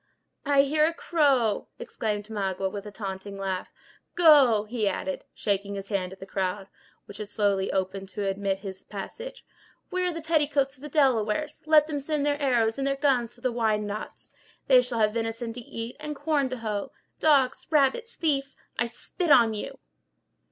"I hear a crow!" exclaimed Magua, with a taunting laugh. "Go!" he added, shaking his hand at the crowd, which had slowly opened to admit his passage. "Where are the petticoats of the Delawares! Let them send their arrows and their guns to the Wyandots; they shall have venison to eat, and corn to hoe. Dogs, rabbits, thieves—I spit on you!"